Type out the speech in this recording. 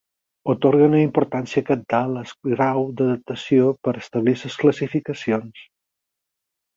Atorga una importància cabdal al grau d'adaptació per establir les classificacions.